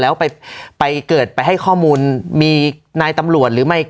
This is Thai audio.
แล้วไปเกิดไปให้ข้อมูลมีนายตำรวจหรือไม่